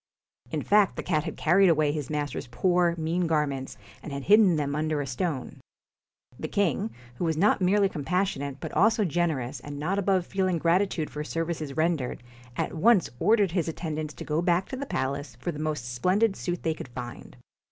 In fact the cat had carried away his master's poor, mean garments, and had hidden them under a stone. The king, who was not merely compassionate, but also generous and not above feeling gratitude for services rendered, at once ordered his attendants to go back to the palace for the most splendid suit they could find.